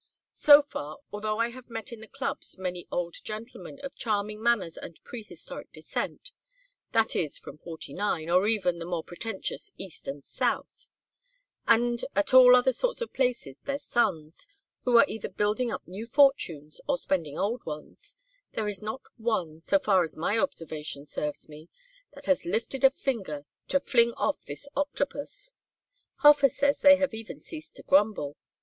So far, although I have met in the clubs many old gentlemen of charming manners and prehistoric descent that is from '49, or even the more pretentious East and South; and, at all sorts of places, their sons who are either building up new fortunes or spending old ones there is not one, so far as my observation serves me, that has lifted a finger to fling off this octopus. Hofer says they have even ceased to grumble.